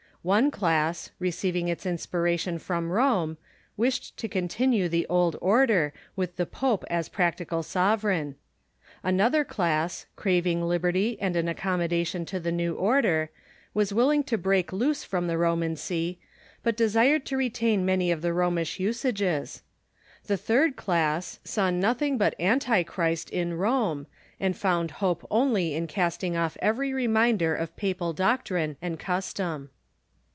One class, receiving its inspiration from Rome, wished to continue the old order, with the pope as prac tical sovereign. Another class, craving liberty and an accom modation to the new order, Avas willing to break loose from the Roman see, but desired to retain many of the Romish usages. The third class saw nothing but antichrist in Rome, and found hope onl}^ in casting off every reminder of papal doctrine and custom.